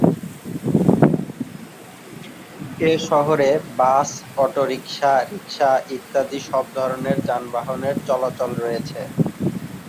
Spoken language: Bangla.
এ শহরে বাস, অটো রিক্সা, রিক্সা ইত্যাদি সব ধরনের যানবাহনের চলাচল রয়েছে।